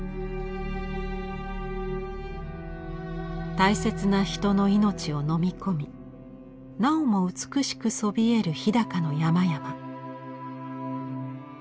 大切な人の命をのみ込みなおも美しくそびえる日高の山々。